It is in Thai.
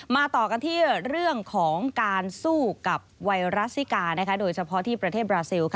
ต่อกันที่เรื่องของการสู้กับไวรัสซิกาโดยเฉพาะที่ประเทศบราซิล